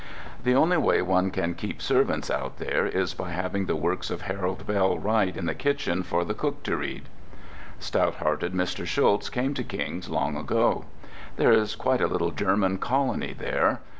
The only way one can keep servants out there is by having the works of Harold Bell Wright in the kitchen for the cook to read. Stout hearted Mr. Schulz came to Kings long ago. There is quite a little German colony there.